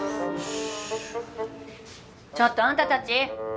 ちょっとあんたたち！